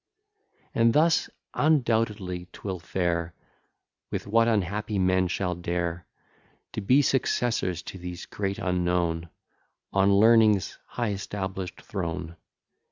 XII And thus undoubtedly 'twill fare With what unhappy men shall dare To be successors to these great unknown, On learning's high establish'd throne.